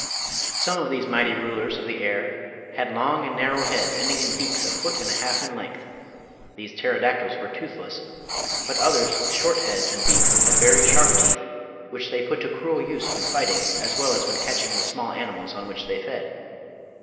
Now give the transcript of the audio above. Some of these mighty rulers of the air had long 79 80 MIGHTY ANIMALS and narrow heads ending in beaks a foot and a half in length. These Pterodactyls were toothless, but others with short heads and beaks had very sharp teeth, which they put to cruel use when fight ing as well as when catching the small animals on which they fed.